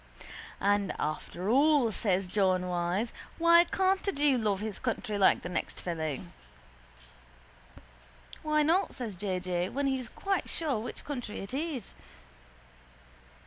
—And after all, says John Wyse, why can't a jew love his country like the next fellow? —Why not? says J. J., when he's quite sure which country it is.